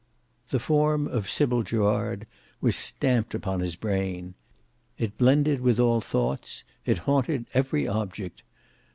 The form of Sybil Gerard was stamped upon his brain. It blended with all thoughts; it haunted every object.